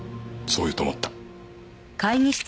そう言うと思った。